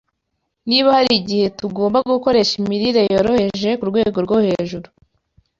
Niba hari igihe tugomba gukoresha imirire yoroheje ku rwego rwo hejuru